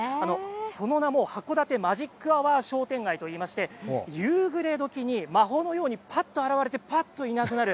その名もはこだてマジックアワー商店街と言いまして夕暮れどきに魔法のようにぱっと現れてぱっといなくなる。